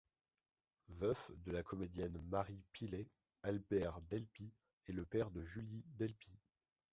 Veuf de la comédienne Marie Pillet, Albert Delpy est le père de Julie Delpy.